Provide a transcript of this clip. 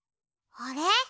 あれ？